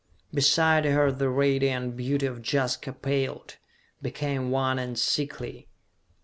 Beside her the radiant beauty of Jaska paled, became wan and sickly.